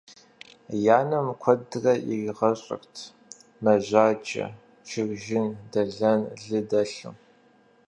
И анэм куэдрэ иригъэщӏырт мэжаджэ, чыржын, дэлэн, лы дэлъу.